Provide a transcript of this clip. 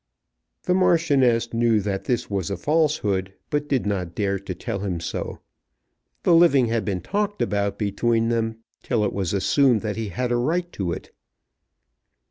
The Marchioness knew that this was a falsehood, but did not dare to tell him so. The living had been talked about between them till it was assumed that he had a right to it.